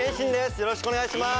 よろしくお願いします